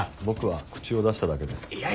僕は口を出しただけです。